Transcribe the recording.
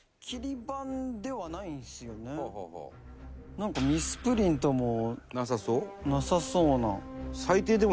なんかミスプリントもなさそうな。